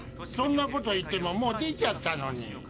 そんなこと言ってももう出ちゃったのに。